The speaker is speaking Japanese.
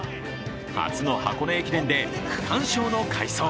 初の箱根駅伝で区間賞の解消